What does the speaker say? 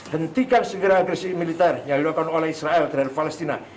hentikan segera agresi militer yang dilakukan oleh israel terhadap palestina